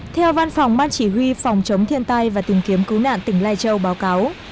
theo văn phòng ban chỉ huy phòng chống thiên tai và tìm kiếm cứu nạn tỉnh lai châu báo cáo